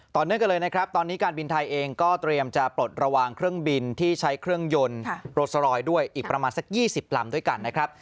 เนื่องกันเลยนะครับตอนนี้การบินไทยเองก็เตรียมจะปลดระวังเครื่องบินที่ใช้เครื่องยนต์โรสรอยดด้วยอีกประมาณสัก๒๐ลำด้วยกันนะครับ